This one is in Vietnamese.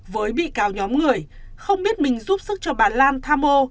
với bị cáo nhóm người không biết mình giúp sức cho bà lan tha mô